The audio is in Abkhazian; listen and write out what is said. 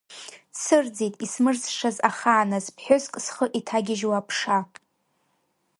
Дсырӡит исмырӡшаз ахааназ, ԥҳәыск зхы иҭагьежьуа аԥша.